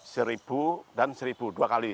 seribu dan seribu dua kali